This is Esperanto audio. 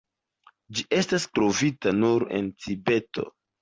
Ĝi estas trovita nur en Tibeto.